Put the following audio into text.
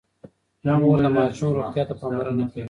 مور د ماشوم روغتيا ته پاملرنه کوي.